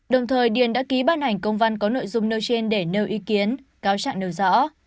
đồng thời điền đã ký ban hành công văn có nội dung nêu trên để nêu ý kiến cáo trạng nêu rõ